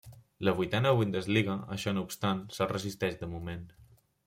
La vuitena Bundesliga, això no obstant, se'ls resisteix de moment.